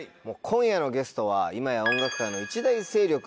今夜のゲストは今や音楽界の一大勢力。